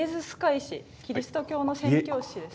キリスト教の宣教師ですね。